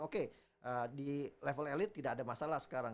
oke di level elit tidak ada masalah sekarang